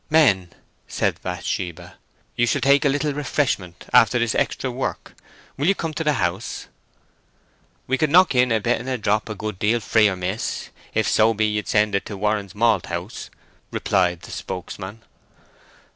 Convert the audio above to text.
"Men," said Bathsheba, "you shall take a little refreshment after this extra work. Will you come to the house?" "We could knock in a bit and a drop a good deal freer, Miss, if so be ye'd send it to Warren's Malthouse," replied the spokesman.